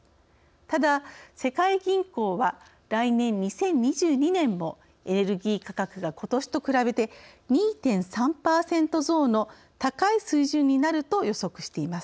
ただ世界銀行は来年２０２２年もエネルギー価格がことしと比べて２．３％増の高い水準になると予測しています。